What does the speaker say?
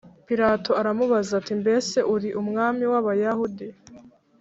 Pilato aramubaza ati mbese uri umwami w Abayahudi